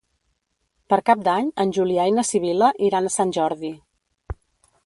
Per Cap d'Any en Julià i na Sibil·la iran a Sant Jordi.